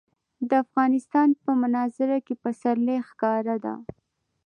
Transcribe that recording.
د افغانستان په منظره کې پسرلی ښکاره ده.